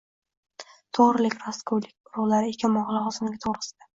to‘g‘rilik, rostgo‘ylik urug‘lari ekilmog‘i lozimligi to‘g‘risida